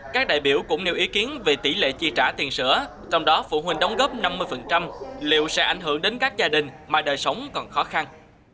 các đại biểu cũng nêu ý kiến về tỷ lệ chi trả tiền sữa trong đó phụ huynh đóng góp năm mươi liệu sẽ ảnh hưởng đến các gia đình mà đời sống còn khó khăn